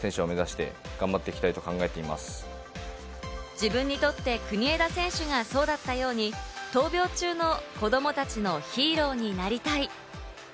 自分にとって国枝選手がそうだったように、闘病中の子供たちのヒーローになりたい。